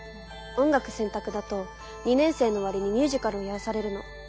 音楽選択だと２年生の終わりにミュージカルをやらされるの。